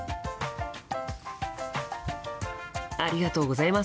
ありがとうございます。